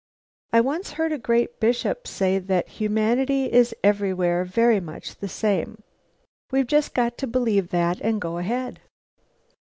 I once heard a great bishop say that 'humanity is everywhere very much the same.' We've just got to believe that and go ahead."